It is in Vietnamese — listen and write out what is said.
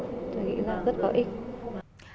tôi nghĩ là rất có ích